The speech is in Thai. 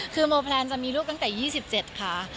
คือโมแพลนจะมีลูกตั้งแต่๒๗ค่ะ